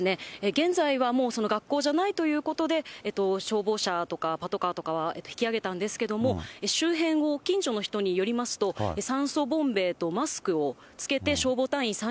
現在はもう学校じゃないということで、消防車とかパトカーとかは引きあげたんですけども、周辺の近所の人によりますと、酸素ボンベとマスクを着けて消防隊員３、